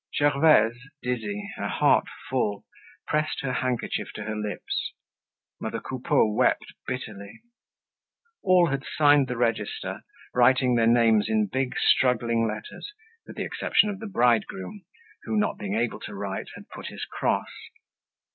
Gervaise, dizzy, her heart full, pressed her handkerchief to her lips. Mother Coupeau wept bitterly. All had signed the register, writing their names in big struggling letters with the exception of the bridegroom, who not being able to write, had put his cross.